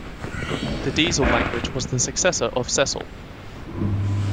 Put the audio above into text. The Diesel language was the successor of Cecil.